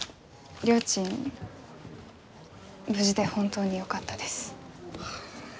無事で本当によかったです。